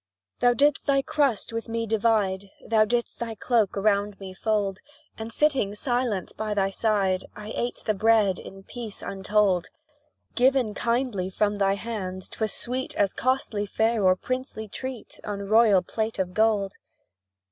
Thou didst thy crust with me divide, Thou didst thy cloak around me fold; And, sitting silent by thy side, I ate the bread in peace untold: Given kindly from thy hand, 'twas sweet As costly fare or princely treat On royal plate of gold.